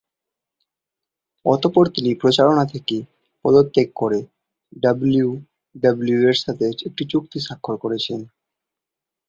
অতঃপর তিনি প্রচারণা থেকে পদত্যাগ করে ডাব্লিউডাব্লিউই-এর সাথে একটি চুক্তি স্বাক্ষর করেছেন।